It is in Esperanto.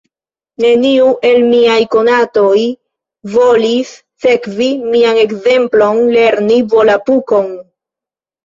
Neniu el miaj konatoj volis sekvi mian ekzemplon, lerni Volapuk-on.